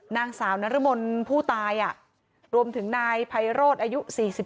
นางสาวนรมนผู้ตายรวมถึงนายไพโรธอายุ๔๒